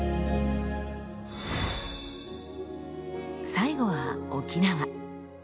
最後は沖縄。